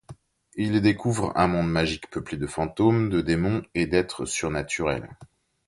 Il y découvre un monde magique peuplé de fantômes, de démons et d'êtres surnaturels.